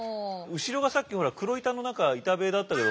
後ろがさっきほら黒板の何か板塀だったけど。